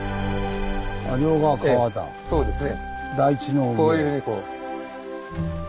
そうですね。